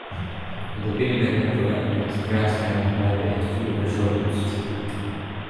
In the Winnipeg metro area, the Trans-Canada Highway has two official routes.